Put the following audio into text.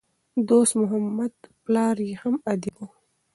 دوست محمد پلار ئې هم ادیب وو.